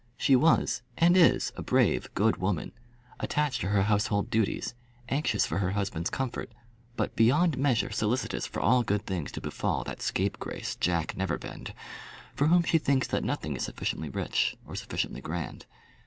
She was, and is, a brave, good woman, attached to her household duties, anxious for her husband's comfort, but beyond measure solicitous for all good things to befall that scapegrace Jack Neverbend, for whom she thinks that nothing is sufficiently rich or sufficiently grand.